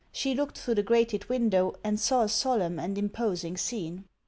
She looked through the grated window and saw a solemn and imposing scene.